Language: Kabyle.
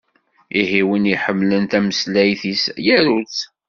Ihi, win iḥemmlen tameslayt-is yaru-tt!